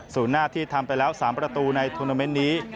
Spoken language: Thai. สูญหน้าที่ทำไปแล้วสามประตูในทวรรมเม้นนี้